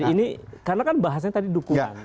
jadi ini karena kan bahasanya tadi dukungan